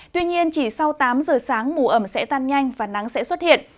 tuy nhiên chỉ sau tám giờ sáng mù ẩm sẽ tan nhanh và nắng sẽ xuất hiện